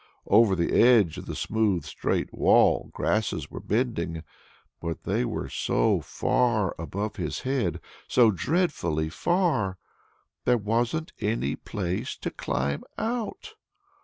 Over the edge of the smooth straight wall grasses were bending. But they were so far above his head, so dreadfully far! _There wasn't any place to climb out!